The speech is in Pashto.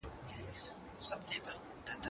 د لويي جرګې وروستی پرېکړه لیک څوک لولي؟